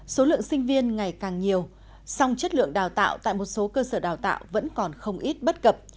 số lượng sinh viên ngày càng nhiều song chất lượng đào tạo tại một số cơ sở đào tạo vẫn còn không ít bất cập